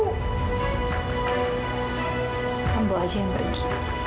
kamu aja yang pergi